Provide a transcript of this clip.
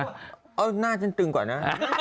เอาหน้าฉันตึงก่อนนะ